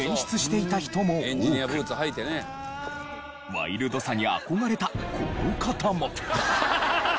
ワイルドさに憧れたこの方も。